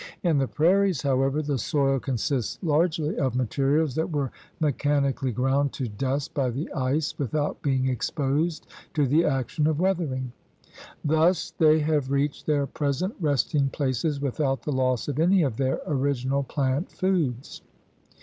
In the prairies, however, the soil consists largely of materials that were mechanically ground to dust by the ice without being exposed to the action of weathering. Thus they have reached their present resting places without the loss of any of their origi nal plant foods.